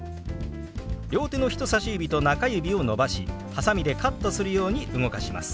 両手の人さし指と中指を伸ばしはさみでカットするように動かします。